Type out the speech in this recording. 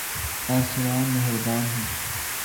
آسمان مہربان ہوں۔